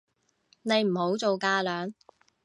你唔好做架樑